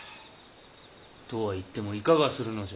・とは言ってもいかがするのじゃ。